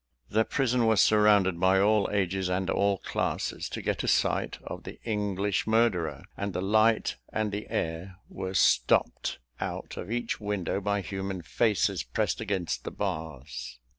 The prison was surrounded by all ages and all classes, to get a sight of the English murderer; and the light and the air were stopped out of each window by human faces pressed against the bars.